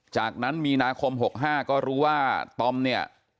จากนั้นมีนาคม๖๕ก็รู้ว่าตอมเนี่ย